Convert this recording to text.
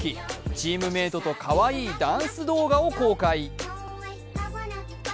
チームメートとかわいいダンス動画を公開。